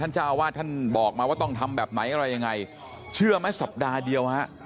เจ้าอาวาสท่านบอกมาว่าต้องทำแบบไหนอะไรยังไงเชื่อไหมสัปดาห์เดียวฮะ